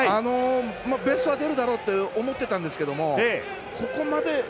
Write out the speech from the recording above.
ベストは出るだろうって思ってたんですけど。